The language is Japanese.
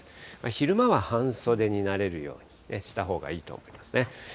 昼間は半袖になれるようにしたほうがいいと思いますね。